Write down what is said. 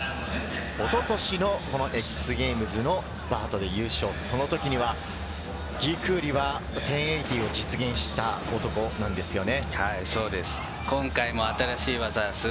一昨年のＸＧａｍｅｓのバートで優勝、その時にはギー・クーリは１０８０を実現した男なんですよね。